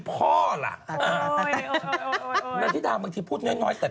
ต้องกลับ๑๐เปอร์เซ็นต์ต้องกลับ๑๐เปอร์เซ็นต์แล้ว